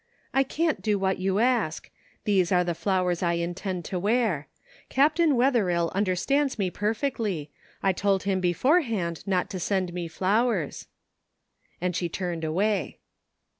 " I can't do what you ask. These are the flowers I intend to wear. Captain Wetherill understands me perfectly. I told him beforehand not to send me flowers." And she turned away.